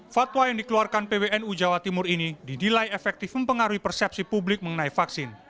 fatwa yang dikeluarkan pwnu jawa timur ini didilai efektif mempengaruhi persepsi publik mengenai vaksin